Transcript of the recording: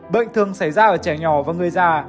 bệnh thường xảy ra ở trẻ nhỏ và người già